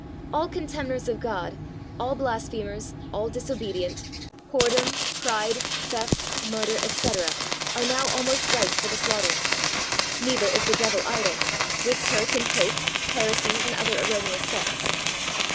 All contemners of God, all blasphemers, all disobedient; whoredom, pride, theft, murder, etc., are now almost ripe for the slaughter; neither is the devil idle, with Turk and Pope, heresies and other erroneous sects.